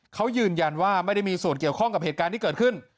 เขายืนยันว่าไม่ได้มีส่วนเกี่ยวข้องกับเหตุการณ์ที่เกิดขึ้น